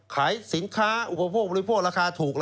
ขายสินค้าอุปโภคบริโภคราคาถูก